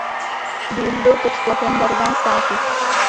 Dům byl pod tlakem darován státu.